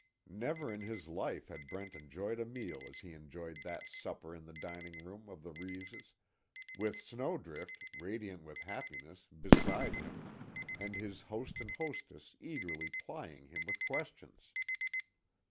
Never in his life had Brent enjoyed a meal as he enjoyed that supper in the dining room of the Reeves', with Snowdrift, radiant with happiness, beside him, and his host and hostess eagerly plying him with questions.